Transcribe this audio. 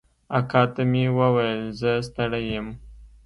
اکا ته مې وويل زه ستړى يم.